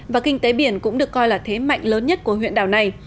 và kinh tế biển cũng được coi là thế mạnh lớn nhất của huyện đảo này